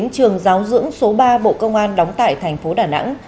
trường giáo dưỡng số ba bộ công an đóng tại thành phố đà nẵng